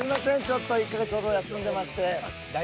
ちょっと１か月ほど休んでまして。